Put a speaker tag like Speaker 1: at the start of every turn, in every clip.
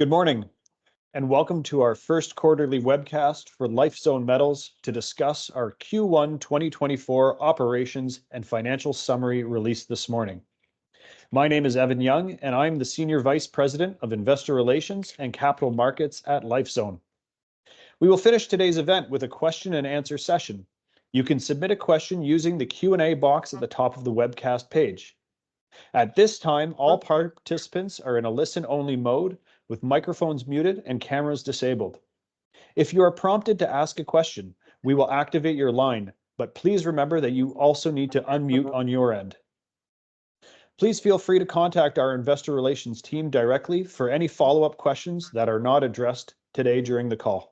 Speaker 1: Good morning, and welcome to our first quarterly webcast for Lifezone Metals to discuss our Q1 2024 operations and financial summary released this morning. My name is Evan Young, and I'm the Senior Vice President of Investor Relations and Capital Markets at Lifezone. We will finish today's event with a Q&A session. You can submit a question using the Q&A box at the top of the webcast page. At this time, all participants are in a listen-only mode with microphones muted and cameras disabled. If you are prompted to ask a question, we will activate your line, but please remember that you also need to unmute on your end. Please feel free to contact our Investor Relations team directly for any follow-up questions that are not addressed today during the call.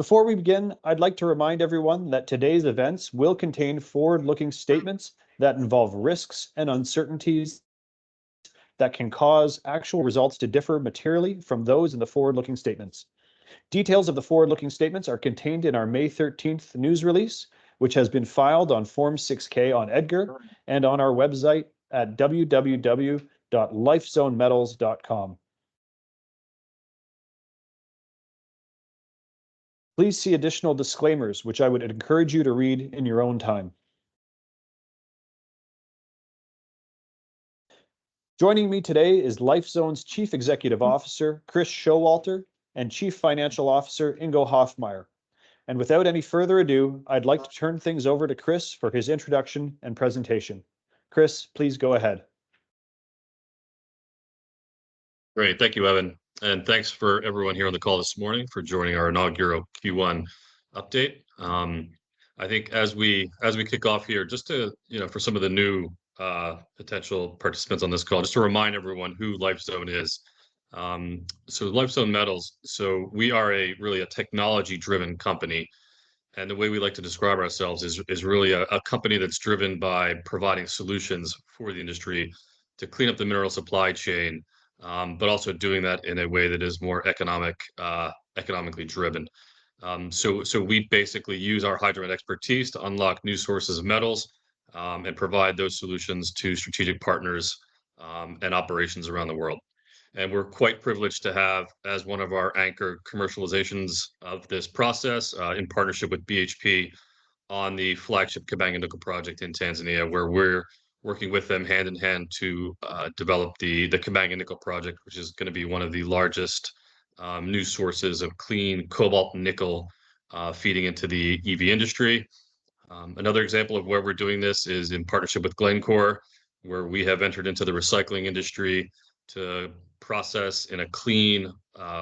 Speaker 1: Before we begin, I'd like to remind everyone that today's events will contain forward-looking statements that involve risks and uncertainties that can cause actual results to differ materially from those in the forward-looking statements. Details of the forward-looking statements are contained in our May 13 news release, which has been filed on Form 6-K on EDGAR and on our website at www.lifezonemetals.com. Please see additional disclaimers, which I would encourage you to read in your own time. Joining me today is Lifezone's Chief Executive Officer, Chris Showalter, and Chief Financial Officer, Ingo Hofmaier. And without any further ado, I'd like to turn things over to Chris for his introduction and presentation. Chris, please go ahead.
Speaker 2: Great. Thank you, Evan. And thanks for everyone here on the call this morning for joining our inaugural Q1 update. I think as we kick off here, just to, you know, for some of the new potential participants on this call, just to remind everyone who Lifezone is. So, Lifezone Metals, so we are really a technology-driven company, and the way we like to describe ourselves is really a company that's driven by providing solutions for the industry to clean up the mineral supply chain, but also doing that in a way that is more economically driven. So we basically use our hydrogen expertise to unlock new sources of metals and provide those solutions to strategic partners and operations around the world. And we're quite privileged to have, as one of our anchor commercializations of this process, in partnership with BHP, on the flagship Kabanga Nickel project in Tanzania, where we're working with them hand in hand to develop the Kabanga Nickel project, which is going to be one of the largest new sources of clean cobalt nickel feeding into the EV industry. Another example of where we're doing this is in partnership with Glencore, where we have entered into the recycling industry to process in a clean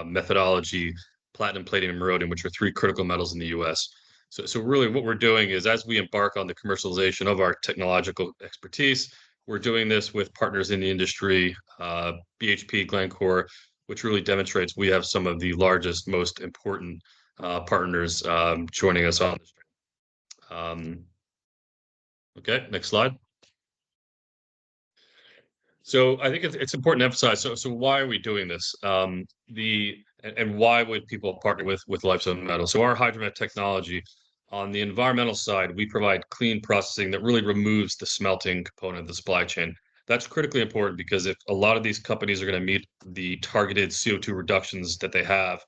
Speaker 2: methodology platinum, platinum, and rhodium, which are three critical metals in the US. So really what we're doing is, as we embark on the commercialization of our technological expertise, we're doing this with partners in the industry, BHP, Glencore, which really demonstrates we have some of the largest, most important partners joining us on this journey. Okay, next slide. So I think it's important to emphasize, so why are we doing this? And why would people partner with Lifezone Metals? So our Hydromet Technology, on the environmental side, we provide clean processing that really removes the smelting component of the supply chain. That's critically important because if a lot of these companies are going to meet the targeted CO2 reductions that they have,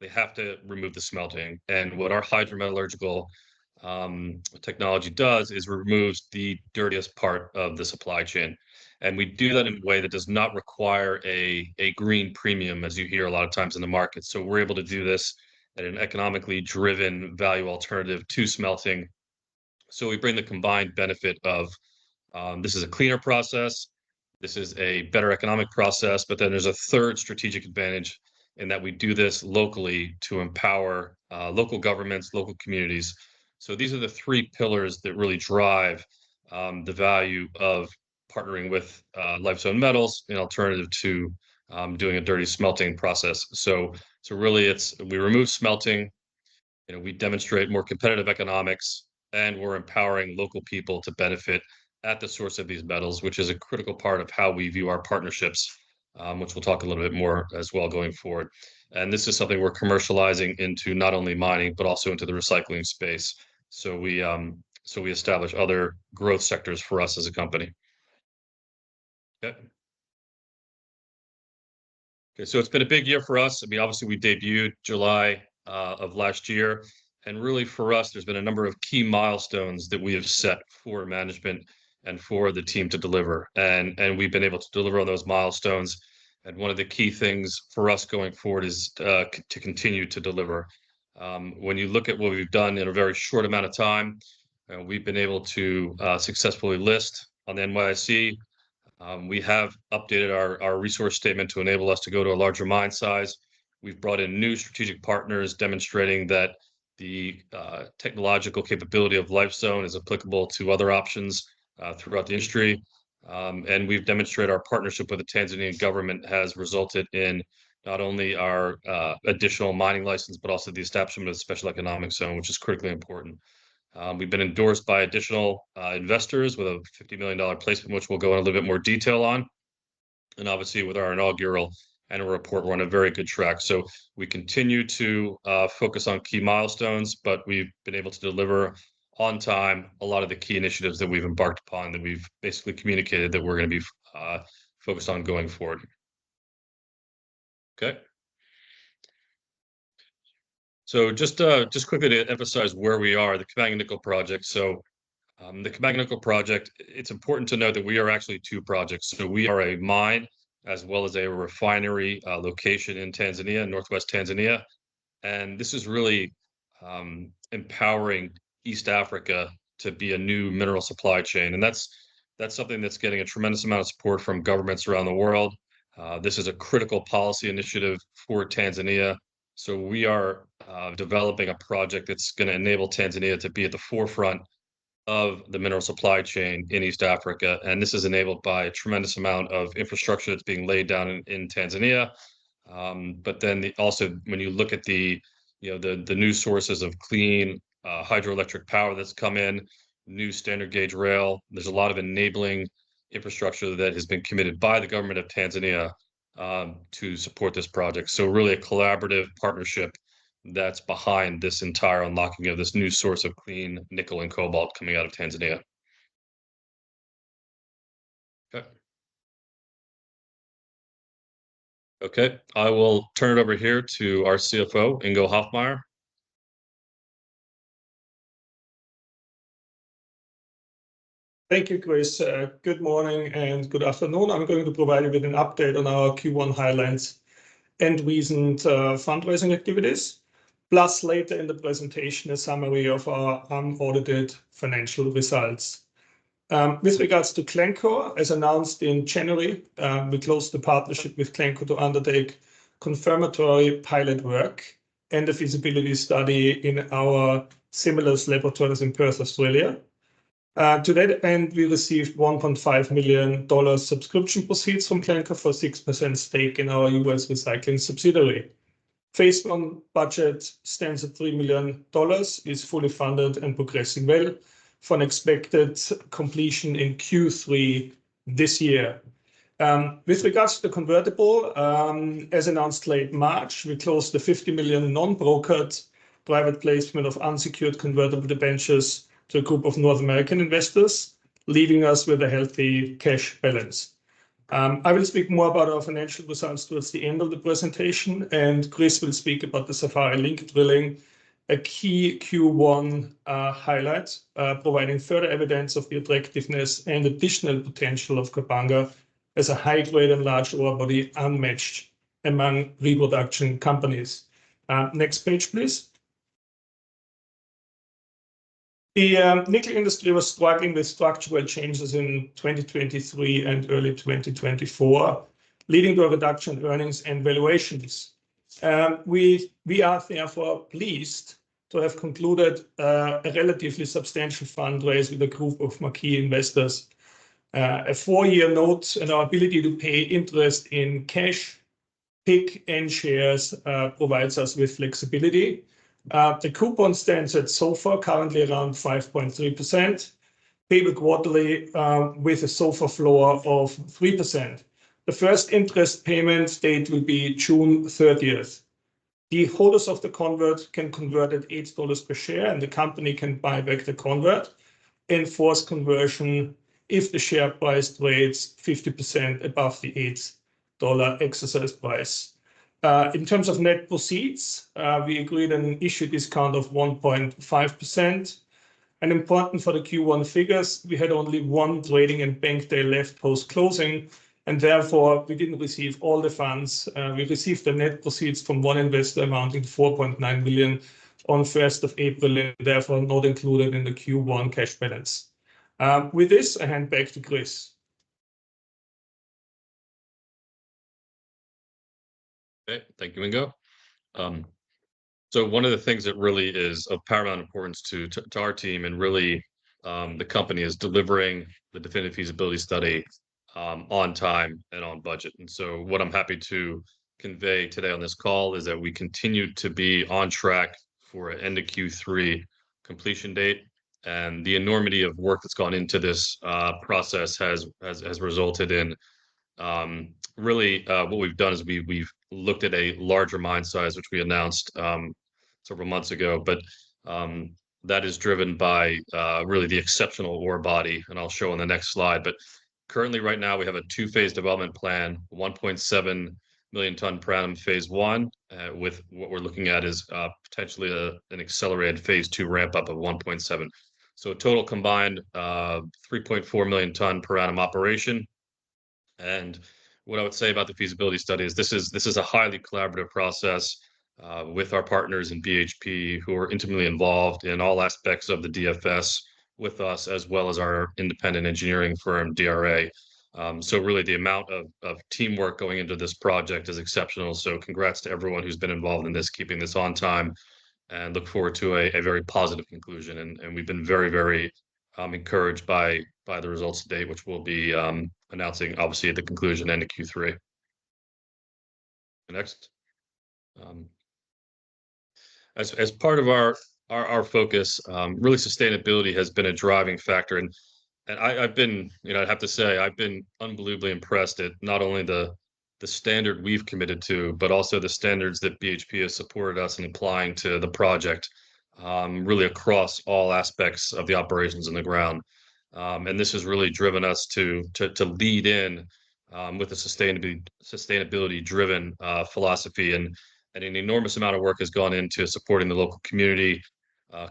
Speaker 2: they have to remove the smelting. And what our Hydrometallurgical Technology does is removes the dirtiest part of the supply chain. And we do that in a way that does not require a green premium, as you hear a lot of times in the market. So we're able to do this at an economically driven value alternative to smelting. So we bring the combined benefit of this is a cleaner process. This is a better economic process. But then there's a third strategic advantage in that we do this locally to empower local governments, local communities. So these are the three pillars that really drive the value of partnering with Lifezone Metals in alternative to doing a dirty smelting process. So really it's we remove smelting. You know, we demonstrate more competitive economics. And we're empowering local people to benefit at the source of these metals, which is a critical part of how we view our partnerships, which we'll talk a little bit more as well going forward. And this is something we're commercializing into not only mining, but also into the recycling space. So we establish other growth sectors for us as a company. Okay. Okay, so it's been a big year for us. I mean, obviously we debuted July of last year. Really for us, there's been a number of key milestones that we have set for management and for the team to deliver. We've been able to deliver on those milestones. One of the key things for us going forward is to continue to deliver. When you look at what we've done in a very short amount of time, we've been able to successfully list on the NYSE. We have updated our resource statement to enable us to go to a larger mine size. We've brought in new strategic partners, demonstrating that the technological capability of Lifezone is applicable to other options throughout the industry. We've demonstrated our partnership with the Tanzanian government has resulted in not only our additional mining license, but also the establishment of a special economic zone, which is critically important. We've been endorsed by additional investors with a $50 million placement, which we'll go into a little bit more detail on. And obviously with our inaugural and our report, we're on a very good track. So we continue to focus on key milestones, but we've been able to deliver on time a lot of the key initiatives that we've embarked upon that we've basically communicated that we're going to be focused on going forward. Okay. So just quickly to emphasize where we are, the Kabanga Nickel Project. So the Kabanga Nickel Project, it's important to know that we are actually two projects. So we are a mine as well as a refinery location in Tanzania, North West Tanzania. And this is really empowering East Africa to be a new mineral supply chain. And that's something that's getting a tremendous amount of support from governments around the world. This is a critical policy initiative for Tanzania. So we are developing a project that's going to enable Tanzania to be at the forefront of the mineral supply chain in East Africa. And this is enabled by a tremendous amount of infrastructure that's being laid down in Tanzania. But then also, when you look at the new sources of clean hydroelectric power that's come in, new standard gauge rail, there's a lot of enabling infrastructure that has been committed by the government of Tanzania to support this project. So really a collaborative partnership that's behind this entire unlocking of this new source of clean nickel and cobalt coming out of Tanzania. Okay. Okay, I will turn it over here to our CFO, Ingo Hofmaier.
Speaker 3: Thank you, Chris. Good morning and good afternoon. I'm going to provide you with an update on our Q1 highlights and recent fundraising activities, plus later in the presentation a summary of our unaudited financial results. With regards to Glencore, as announced in January, we closed the partnership with Glencore to undertake confirmatory pilot work and a feasibility study in our Simulus laboratories in Perth, Australia. To that end, we received $1.5 million subscription proceeds from Glencore for 6% stake in our U.S. recycling subsidiary. Phase I budget stands at $3 million, is fully funded and progressing well for an expected completion in Q3 this year. With regards to the convertible, as announced late March, we closed the $50 million non-brokered private placement of unsecured convertible debentures to a group of North American investors, leaving us with a healthy cash balance. I will speak more about our financial results towards the end of the presentation, and Chris will speak about the Safari Link drilling, a key Q1 highlight providing further evidence of the attractiveness and additional potential of Kabanga as a high-grade and large ore body unmatched among resource companies. Next page, please. The nickel industry was struggling with structural changes in 2023 and early 2024, leading to a reduction in earnings and valuations. We are therefore pleased to have concluded a relatively substantial fundraise with a group of marquee investors. A four year note and our ability to pay interest in cash, PIK, and shares provides us with flexibility. The coupon stands at SOFR currently around 5.3%, payable quarterly with a SOFR floor of 3%. The first interest payment date will be June 30. The holders of the convert can convert at $8 per share, and the company can buy back the convert, enforce conversion if the share price trades 50% above the $8 exercise price. In terms of net proceeds, we agreed on an issue discount of 1.5%. Important for the Q1 figures, we had only one trading and bank day left post-closing, and therefore we didn't receive all the funds. We received the net proceeds from one investor amounting to $4.9 million on 1 April and therefore not included in the Q1 cash balance. With this, I hand back to Chris.
Speaker 2: Okay, thank you, Ingo. So one of the things that really is of paramount importance to our team and really the company is delivering the definitive feasibility study on time and on budget. So what I'm happy to convey today on this call is that we continue to be on track for an end of Q3 completion date. And the enormity of work that's gone into this process has resulted in really what we've done is we've looked at a larger mine size, which we announced several months ago, but that is driven by really the exceptional ore body. And I'll show on the next slide. But currently, right now, we have a two-phase development plan, 1.7 million ton per annum phase I, with what we're looking at is potentially an accelerated phase II ramp-up of 1.7. So a total combined 3.4 million ton per annum operation. And what I would say about the feasibility study is, this is a highly collaborative process with our partners in BHP who are intimately involved in all aspects of the DFS with us, as well as our independent engineering firm, DRA. So really the amount of teamwork going into this project is exceptional. So congrats to everyone who's been involved in this, keeping this on time. And look forward to a very positive conclusion. And we've been very, very encouraged by the results to date, which we'll be announcing, obviously, at the conclusion, end of Q3. Next. As part of our focus, really sustainability has been a driving factor. I've been, you know, I'd have to say, I've been unbelievably impressed at not only the standard we've committed to, but also the standards that BHP has supported us in applying to the project really across all aspects of the operations on the ground. This has really driven us to lead in with a sustainability-driven philosophy. An enormous amount of work has gone into supporting the local community,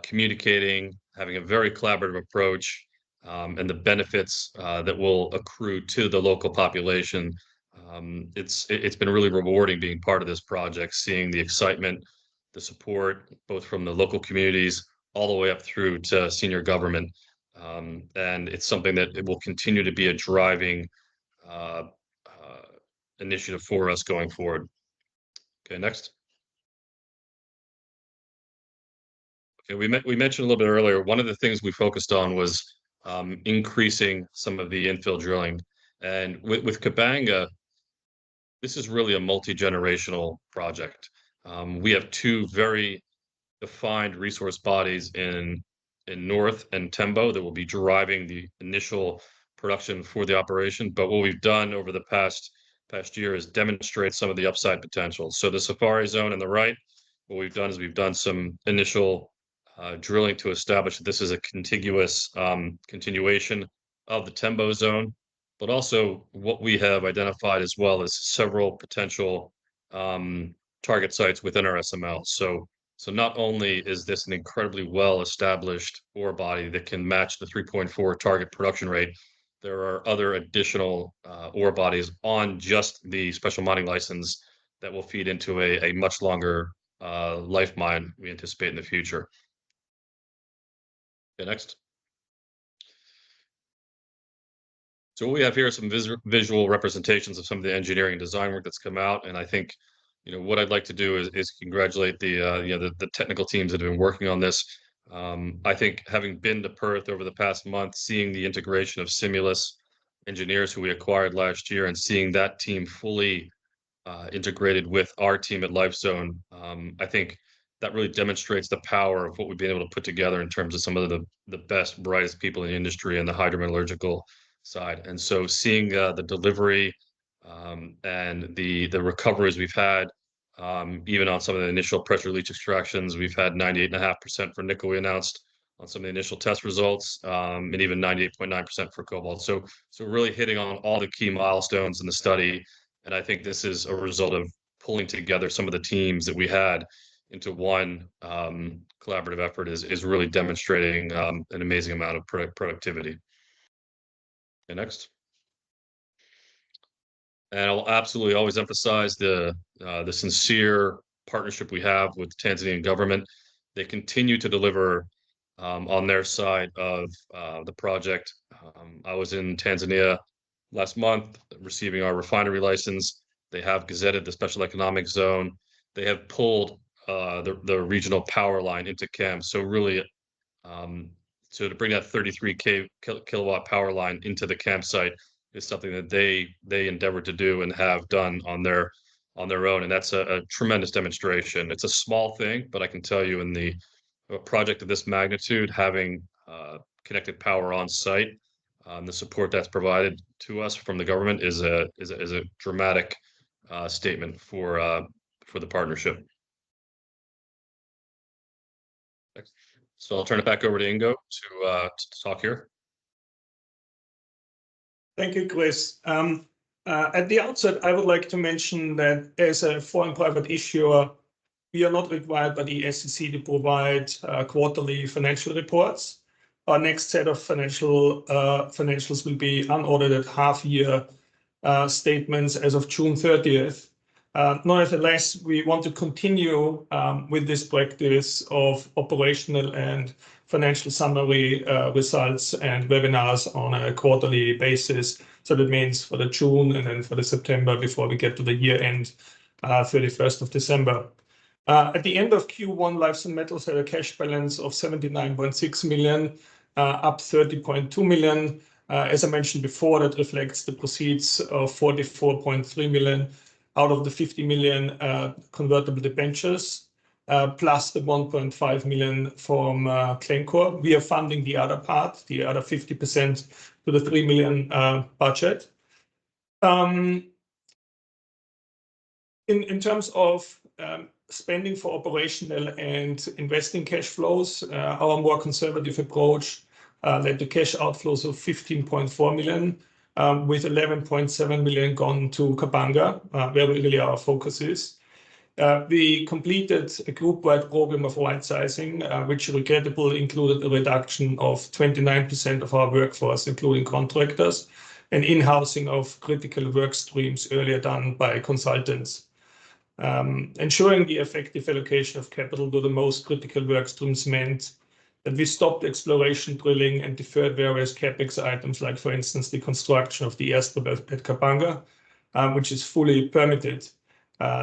Speaker 2: communicating, having a very collaborative approach, and the benefits that will accrue to the local population. It's been really rewarding being part of this project, seeing the excitement, the support, both from the local communities all the way up through to senior government. It's something that will continue to be a driving initiative for us going forward. Okay, next. Okay, we mentioned a little bit earlier, one of the things we focused on was increasing some of the infill drilling. With Kabanga, this is really a multi-generational project. We have two very defined resource bodies in North and Tembo that will be driving the initial production for the operation. But what we've done over the past year is demonstrate some of the upside potential. The Safari Zone on the right, what we've done is we've done some initial drilling to establish that this is a continuation of the Tembo Zone. But also what we have identified as well as several potential target sites within our SML. So not only is this an incredibly well-established ore body that can match the 3.4 target production rate, there are other additional ore bodies on just the Special Mining License that will feed into a much longer life mine we anticipate in the future. Okay, next. So what we have here are some visual representations of some of the engineering design work that's come out. And I think, you know, what I'd like to do is congratulate the technical teams that have been working on this. I think having been to Perth over the past month, seeing the integration of Simulus engineers who we acquired last year, and seeing that team fully integrated with our team at Lifezone, I think that really demonstrates the power of what we've been able to put together in terms of some of the best, brightest people in the industry and the hydrometallurgical side. So seeing the delivery and the recoveries we've had, even on some of the initial pressure leach extractions, we've had 98.5% for Nickel we announced on some of the initial test results, and even 98.9% for Cobalt. So really hitting on all the key milestones in the study. And I think this is a result of pulling together some of the teams that we had into one collaborative effort is really demonstrating an amazing amount of productivity. Okay, next. And I'll absolutely always emphasize the sincere partnership we have with the Tanzanian government. They continue to deliver on their side of the project. I was in Tanzania last month receiving our refinery license. They have gazetted the Special Economic Zone. They have pulled the regional power line into camp. So really, to bring that 33-kilowatt power line into the campsite is something that they endeavored to do and have done on their own. And that's a tremendous demonstration. It's a small thing, but I can tell you in a project of this magnitude, having connected power on site, the support that's provided to us from the government is a dramatic statement for the partnership. Next. So I'll turn it back over to Ingo to talk here.
Speaker 3: Thank you, Chris. At the outset, I would like to mention that as a foreign private issuer, we are not required by the SEC to provide quarterly financial reports. Our next set of financials will be unaudited half-year statements as of June 30. Nonetheless, we want to continue with this practice of operational and financial summary results and webinars on a quarterly basis. So that means for June and then for September before we get to the year-end, 31st of December. At the end of Q1, Lifezone Metals had a cash balance of $79.6 million, up $30.2 million. As I mentioned before, that reflects the proceeds of $44.3 million out of the $50 million convertible debentures, plus the $1.5 million from Kleinkor. We are funding the other part, the other 50% to the $3 million budget. In terms of spending for operational and investing cash flows, our more conservative approach led to cash outflows of $15.4 million, with $11.7 million gone to Kabanga, where really our focus is. We completed a group-wide program of right-sizing, which regrettably included a reduction of 29% of our workforce, including contractors, and in-housing of critical work streams earlier done by consultants. Ensuring the effective allocation of capital to the most critical work streams meant that we stopped exploration drilling and deferred various CapEx items, like, for instance, the construction of the airstrip at Kabanga, which is fully permitted.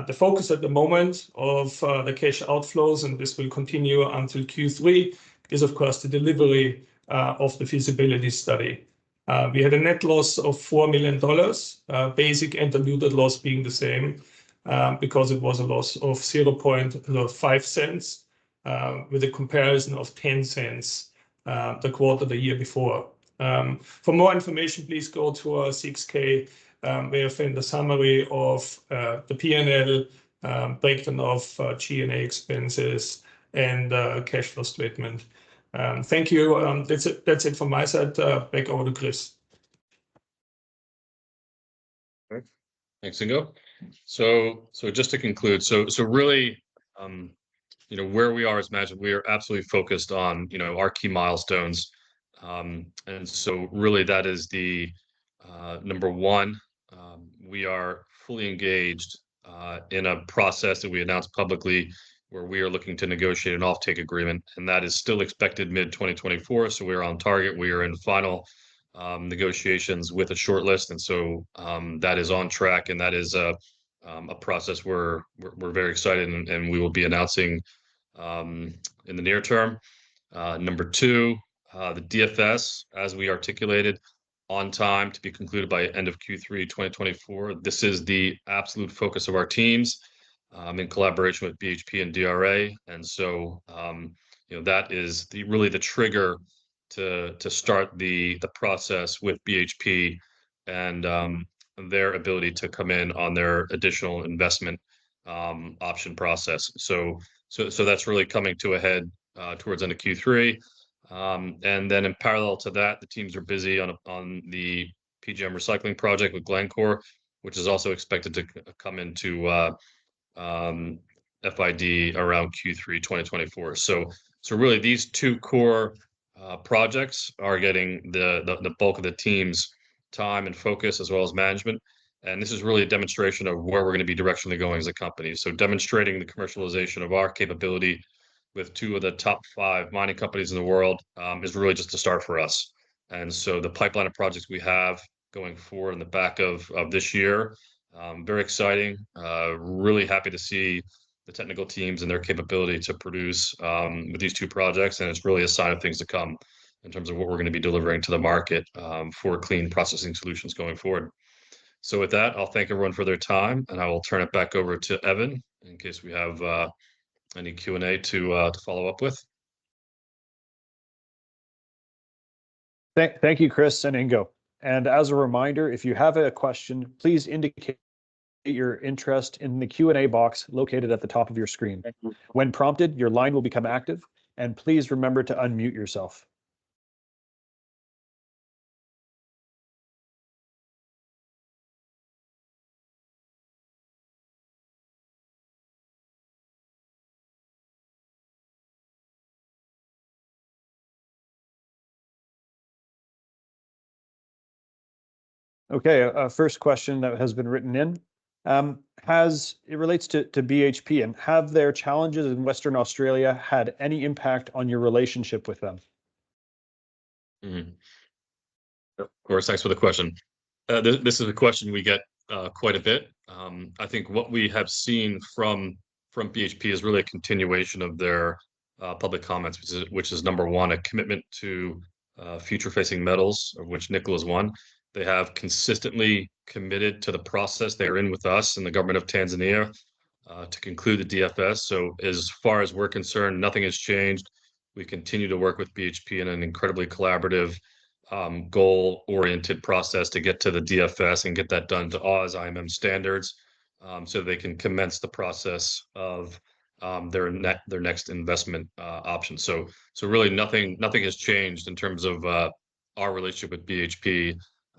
Speaker 3: The focus at the moment of the cash outflows, and this will continue until Q3, is, of course, the delivery of the feasibility study. We had a net loss of $4 million, basic and diluted loss being the same, because it was a loss of $0.05 cents, with a comparison of $10 cents the quarter the year before. For more information, please go to our 6-K, where you'll find the summary of the P&L, breakdown of G&A expenses, and cash flow statement. Thank you. That's it from my side. Back over to Chris.
Speaker 2: Thanks. Thanks, Ingo. So just to conclude, so really, you know, where we are, as mentioned, we are absolutely focused on, you know, our key milestones. And so really that is the number one. We are fully engaged in a process that we announced publicly where we are looking to negotiate an offtake agreement. And that is still expected mid-2024. So we are on target. We are in final negotiations with a shortlist. And so that is on track. And that is a process where we're very excited and we will be announcing in the near term. Number two, the DFS, as we articulated, on time to be concluded by end of Q3, 2024. This is the absolute focus of our teams in collaboration with BHP and DRA. And so, you know, that is really the trigger to start the process with BHP and their ability to come in on their additional investment option process. So that's really coming to a head towards end of Q3. And then in parallel to that, the teams are busy on the PGM recycling project with Glencore, which is also expected to come into FID around Q3, 2024. So really these two core projects are getting the bulk of the team's time and focus, as well as management. And this is really a demonstration of where we're going to be directionally going as a company. So demonstrating the commercialization of our capability with two of the top five mining companies in the world is really just a start for us. And so the pipeline of projects we have going forward in the back of this year, very exciting. Really happy to see the technical teams and their capability to produce with these two projects. It's really a sign of things to come in terms of what we're going to be delivering to the market for clean processing solutions going forward. With that, I'll thank everyone for their time. I will turn it back over to Evan in case we have any Q&A to follow up with.
Speaker 1: Thank you, Chris and Ingo. As a reminder, if you have a question, please indicate your interest in the Q&A box located at the top of your screen. When prompted, your line will become active. Please remember to unmute yourself. Okay, first question that has been written in. It relates to BHP, and have their challenges in Western Australia had any impact on your relationship with them?
Speaker 2: Of course, thanks for the question. This is a question we get quite a bit. I think what we have seen from BHP is really a continuation of their public comments, which is number one, a commitment to future-facing metals, of which nickel is one. They have consistently committed to the process they are in with us and the government of Tanzania to conclude the DFS. So as far as we're concerned, nothing has changed. We continue to work with BHP in an incredibly collaborative, goal-oriented process to get to the DFS and get that done to AACE IMM standards so they can commence the process of their next investment option. So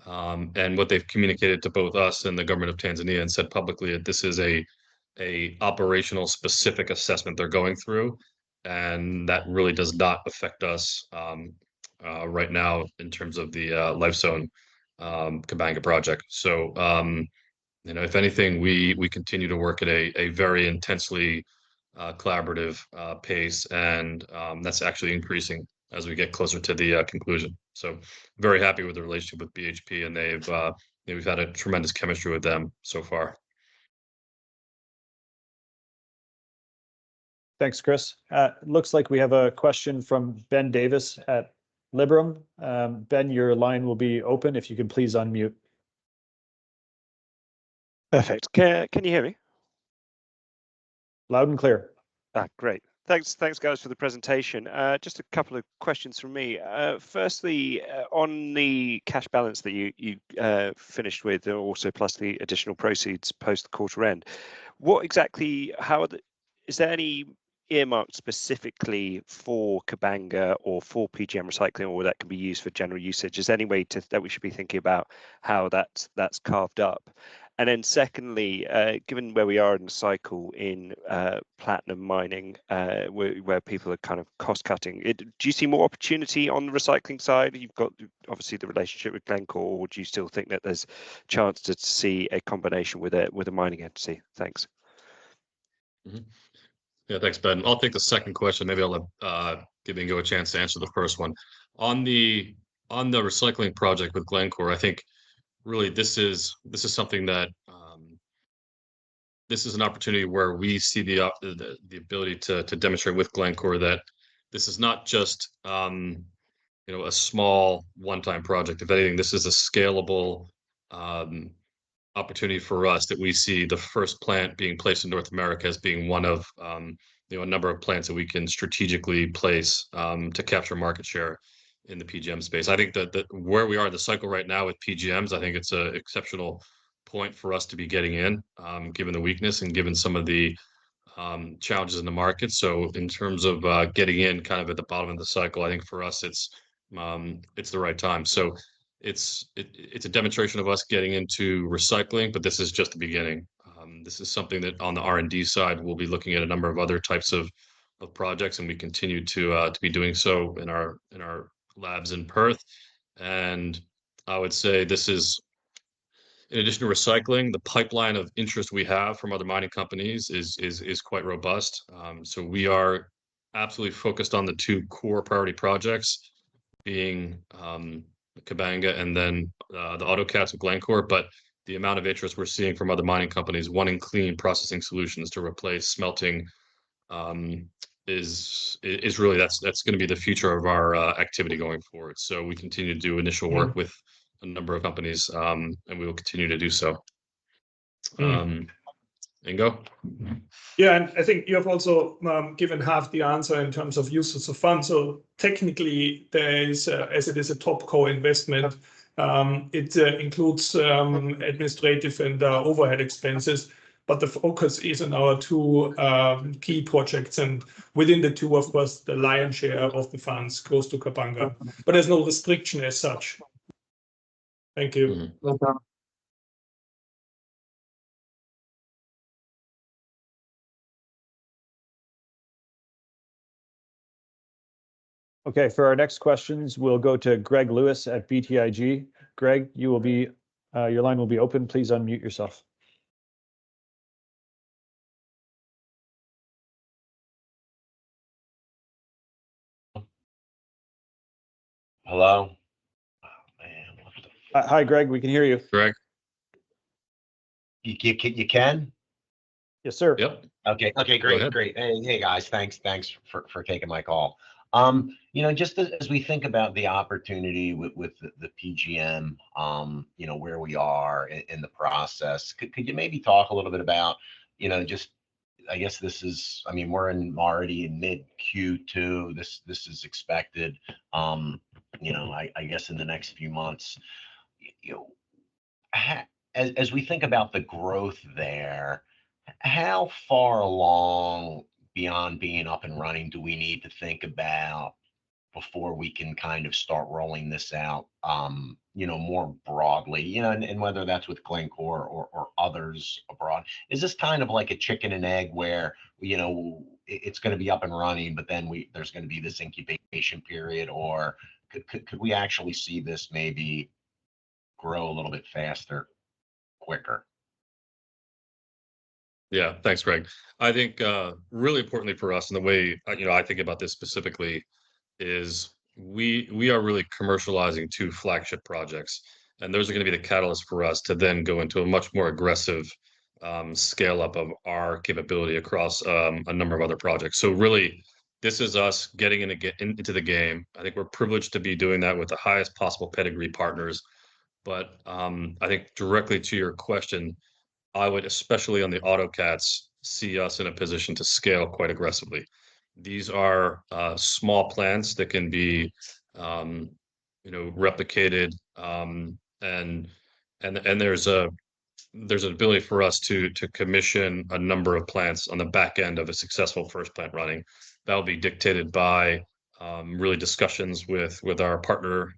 Speaker 2: really nothing has changed in terms of our relationship with BHP and what they've communicated to both us and the government of Tanzania and said publicly that this is an operational-specific assessment they're going through. And that really does not affect us right now in terms of the Lifezone Kabanga project. So, you know, if anything, we continue to work at a very intensely collaborative pace. And that's actually increasing as we get closer to the conclusion. So very happy with the relationship with BHP. And we've had a tremendous chemistry with them so far.
Speaker 1: Thanks, Chris. Looks like we have a question from Ben Davis at Liberum. Ben, your line will be open if you can please unmute.
Speaker 4: Perfect. Can you hear me?
Speaker 1: Loud and clear.
Speaker 4: Great. Thanks, guys, for the presentation. Just a couple of questions from me. Firstly, on the cash balance that you finished with, also plus the additional proceeds post-quarter end, what exactly is there any earmark specifically for Kabanga or for PGM recycling or that can be used for general usage? Is there any way that we should be thinking about how that's carved up? And then secondly, given where we are in the cycle in platinum mining, where people are kind of cost-cutting, do you see more opportunity on the recycling side? You've got obviously the relationship with Glencore, or do you still think that there's a chance to see a combination with a mining entity? Thanks.
Speaker 2: Yeah, thanks, Ben. I'll take the second question. Maybe I'll give Ingo a chance to answer the first one. On the recycling project with Glencore, I think really this is something that this is an opportunity where we see the ability to demonstrate with Glencore that this is not just, you know, a small one-time project. If anything, this is a scalable opportunity for us that we see the first plant being placed in North America as being one of, you know, a number of plants that we can strategically place to capture market share in the PGM space. I think that where we are in the cycle right now with PGMs, I think it's an exceptional point for us to be getting in, given the weakness and given some of the challenges in the market. So in terms of getting in kind of at the bottom of the cycle, I think for us, it's the right time. It's a demonstration of us getting into recycling, but this is just the beginning. This is something that on the R&D side, we'll be looking at a number of other types of projects, and we continue to be doing so in our labs in Perth. I would say this is in addition to recycling; the pipeline of interest we have from other mining companies is quite robust. We are absolutely focused on the two core priority projects, being Kabanga and then the autocatalysts with Glencore. But the amount of interest we're seeing from other mining companies, one in clean processing solutions to replace smelting, is really that's going to be the future of our activity going forward. So we continue to do initial work with a number of companies, and we will continue to do so. Ingo?
Speaker 3: Yeah, and I think you have also given half the answer in terms of uses of funds. So technically, as it is a top-core investment, it includes administrative and overhead expenses. But the focus is on our two key projects. And within the two, of course, the lion's share of the funds goes to Kabanga. But there's no restriction as such. Thank you.
Speaker 1: Okay, for our next questions, we'll go to Greg Lewis at BTIG. Greg, your line will be open. Please unmute yourself.
Speaker 5: Hello?
Speaker 1: Hi, Greg. We can hear you.
Speaker 2: Greg?
Speaker 5: You can?
Speaker 1: Yes, sir.
Speaker 2: Yep.
Speaker 5: Okay, okay, great. Great. Hey, guys. Thanks for taking my call. You know, just as we think about the opportunity with the PGM, you know, where we are in the process, could you maybe talk a little bit about, you know, just I guess this is I mean, we're already in mid-Q2. This is expected, you know, I guess in the next few months. As we think about the growth there, how far along beyond being up and running do we need to think about before we can kind of start rolling this out, you know, more broadly, you know, and whether that's with Glencore or others abroad? Is this kind of like a chicken and egg where, you know, it's going to be up and running, but then there's going to be this incubation period? Or could we actually see this maybe grow a little bit faster, quicker?
Speaker 2: Yeah, thanks, Greg. I think really importantly for us, and the way, you know, I think about this specifically, is we are really commercializing two flagship projects. And those are going to be the catalyst for us to then go into a much more aggressive scale-up of our capability across a number of other projects. So really, this is us getting into the game. I think we're privileged to be doing that with the highest possible pedigree partners. But I think directly to your question, I would especially on the autocatalysts see us in a position to scale quite aggressively. These are small plants that can be, you know, replicated. And there's an ability for us to commission a number of plants on the back end of a successful first plant running. That will be dictated by really discussions with our partners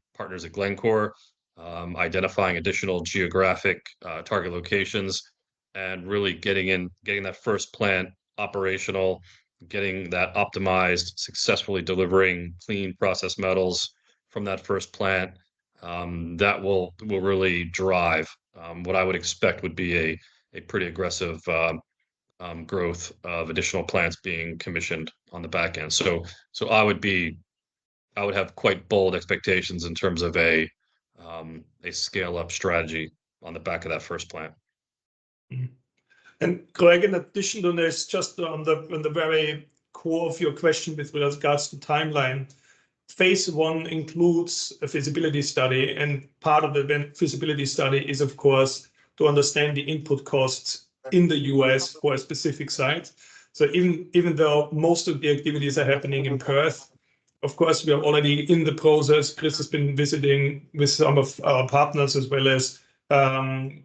Speaker 2: at Glencore, identifying additional geographic target locations, and really getting that first plant operational, getting that optimized, successfully delivering clean processed metals from that first plant. That will really drive what I would expect would be a pretty aggressive growth of additional plants being commissioned on the back end. So I would have quite bold expectations in terms of a scale-up strategy on the back of that first plant.
Speaker 3: Greg, in addition to this, just on the very core of your question with regards to timeline, phase I includes a feasibility study. Part of the feasibility study is, of course, to understand the input costs in the US for a specific site. Even though most of the activities are happening in Perth, of course, we are already in the process. Chris has been visiting with some of our partners, as well as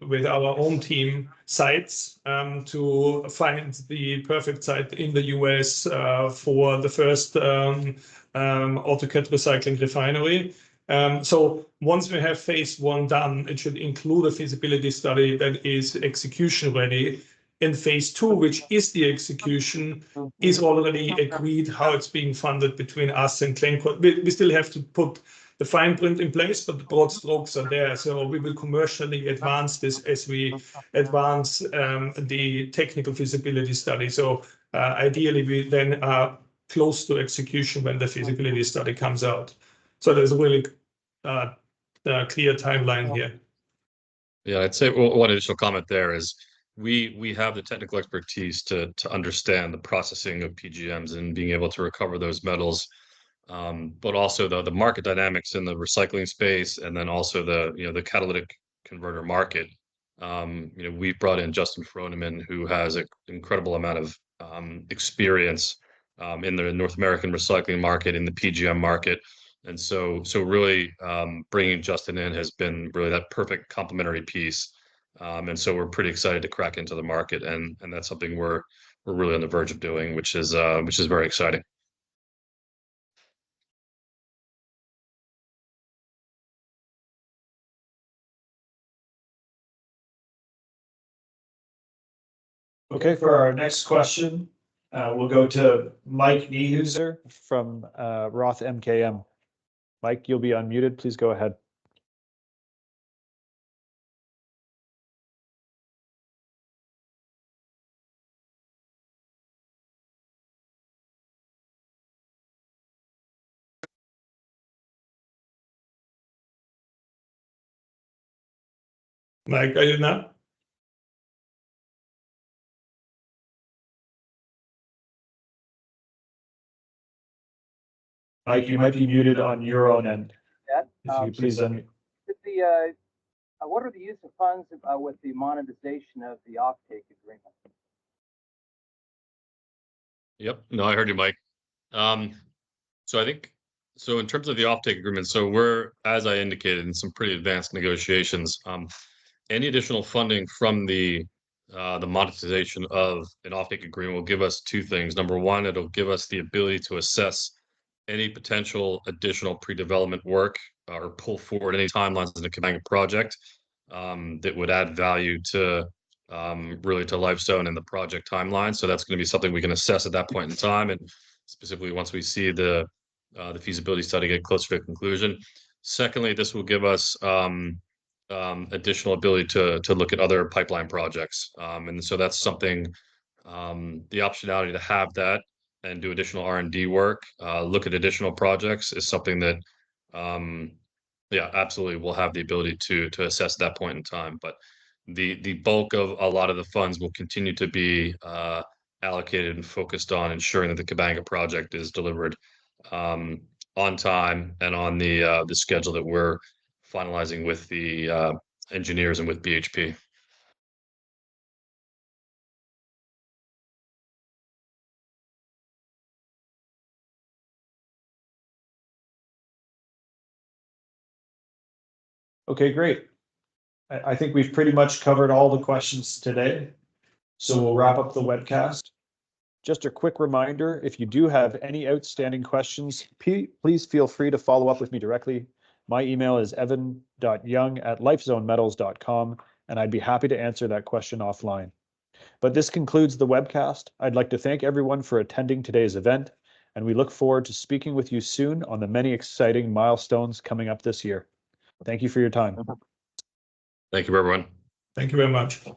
Speaker 3: with our own team sites to find the perfect site in the U.S. for the first autocat recycling refinery. Once we have phase I done, it should include a feasibility study that is execution ready. Phase II, which is the execution, is already agreed how it's being funded between us and Glencore. We still have to put the fine print in place, but the broad strokes are there. We will commercially advance this as we advance the technical feasibility study. Ideally, we then are close to execution when the feasibility study comes out. There's a really clear timeline here.
Speaker 2: Yeah, I'd say one additional comment there is we have the technical expertise to understand the processing of PGMs and being able to recover those metals. But also, though, the market dynamics in the recycling space and then also the catalytic converter market. We've brought in Justin Froneman, who has an incredible amount of experience in the North American recycling market, in the PGM market. And so really bringing Justin in has been really that perfect complementary piece. And so we're pretty excited to crack into the market. And that's something we're really on the verge of doing, which is very exciting.
Speaker 1: Okay, for our next question, we'll go to Mike Niehuser from ROTH MKM. Mike, you'll be unmuted. Please go ahead. Mike, I did not. Mike, you might be muted on your own end. If you could please unmute.
Speaker 6: What are the use of funds with the monetization of the offtake agreement?
Speaker 2: Yep, no, I heard you, Mike. So I think so in terms of the offtake agreement, so we're, as I indicated, in some pretty advanced negotiations. Any additional funding from the monetization of an offtake agreement will give us two things. Number one, it'll give us the ability to assess any potential additional pre-development work or pull forward any timelines in the Kabanga project that would add value really to Lifezone and the project timeline. So that's going to be something we can assess at that point in time, and specifically once we see the feasibility study get closer to conclusion. Secondly, this will give us additional ability to look at other pipeline projects. And so that's something the optionality to have that and do additional R&D work, look at additional projects is something that, yeah, absolutely we'll have the ability to assess at that point in time. The bulk of a lot of the funds will continue to be allocated and focused on ensuring that the Kabanga project is delivered on time and on the schedule that we're finalizing with the engineers and with BHP.
Speaker 1: Okay, great. I think we've pretty much covered all the questions today. So we'll wrap up the webcast. Just a quick reminder, if you do have any outstanding questions, please feel free to follow up with me directly. My email is evan.young@lifezonemetals.com, and I'd be happy to answer that question offline. But this concludes the webcast. I'd like to thank everyone for attending today's event, and we look forward to speaking with you soon on the many exciting milestones coming up this year. Thank you for your time.
Speaker 2: Thank you, everyone.
Speaker 3: Thank you very much.